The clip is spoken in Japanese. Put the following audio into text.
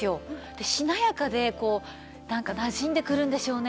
でしなやかでこうなんかなじんでくるんでしょうね。